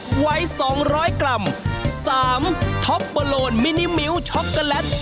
สวัสดีครับ